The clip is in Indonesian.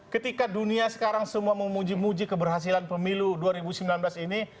ketika dunia sekarang semua memuji muji keberhasilan pemilu dua ribu sembilan belas ini